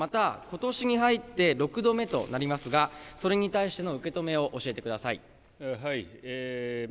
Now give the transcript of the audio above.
またことしに入って６度目となりますが、それに対しての受け止めを教えてください。